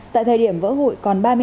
tại thời điểm vỡ hụi còn ba mươi hai